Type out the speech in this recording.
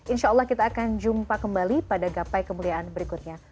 insya allah kita akan jumpa kembali pada gapai kemuliaan berikutnya